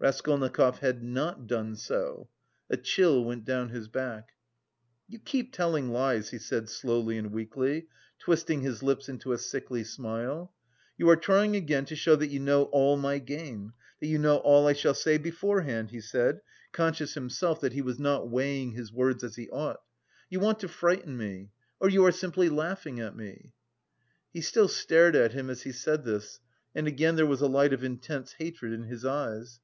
Raskolnikov had not done so. A chill went down his back. "You keep telling lies," he said slowly and weakly, twisting his lips into a sickly smile, "you are trying again to show that you know all my game, that you know all I shall say beforehand," he said, conscious himself that he was not weighing his words as he ought. "You want to frighten me... or you are simply laughing at me..." He still stared at him as he said this and again there was a light of intense hatred in his eyes.